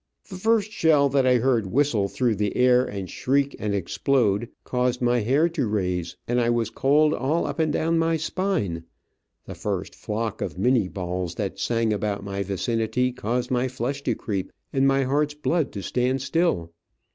The first shell that I heard whistle through the air, and shriek, and explode, caused my hair to raise, and I was cold all up and down my spine. The first flock of minnie bullets that sang about my vicinity caused my flesh to creep and my heart's blood to stand still.